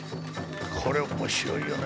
これ面白いよね。